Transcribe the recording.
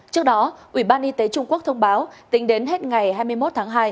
trước đó ủy ban y tế trung quốc thông báo tính đến hết ngày hai mươi một tháng hai